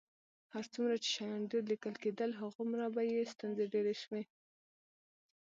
هر څومره چې شیان ډېر لیکل کېدل، همغومره به یې ستونزې ډېرې شوې.